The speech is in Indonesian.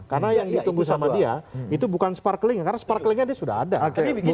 karena yang ditunggu sama dia itu bukan sparkling karena sparklingnya dia sudah ada